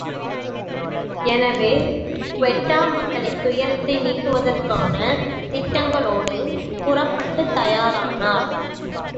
எனவே, குவெட்டா மக்களின் துயரத்தை நீக்குவதற்கான திட்டங்களோடு புறப்படத் தயாரானார்.